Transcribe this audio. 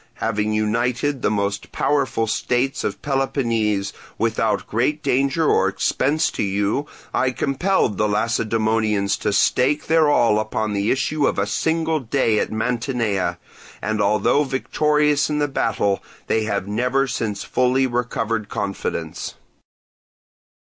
Having united the most powerful states of Peloponnese, without great danger or expense to you, I compelled the Lacedaemonians to stake their all upon the issue of a single day at Mantinea; and although victorious in the battle, they have never since fully recovered confidence.